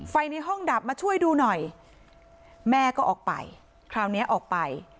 ในห้องดับมาช่วยดูหน่อยแม่ก็ออกไปคราวนี้ออกไป